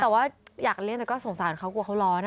แต่อยากเล่นก็สงสารเขากลัวเขาร้อนนะ